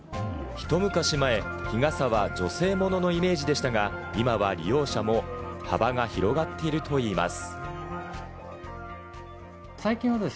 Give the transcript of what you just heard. ひと昔前、日傘は女性物のイメージでしたが、今は利用者も幅が広がっているといいます。